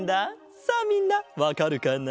さあみんなわかるかな？